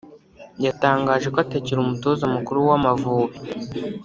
yatangaje ko atakiri umutoza mukuru w’Amavubi